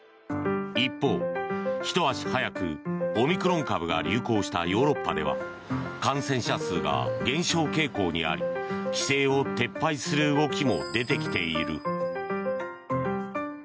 一方、ひと足早くオミクロン株が流行したヨーロッパでは感染者数が減少傾向にあり規制を撤廃する動きも出てきている。